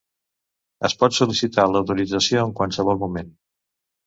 Es pot sol·licitar l'autorització en qualsevol moment.